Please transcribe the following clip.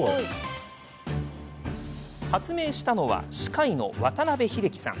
発明したのは歯科医の渡部英樹さん。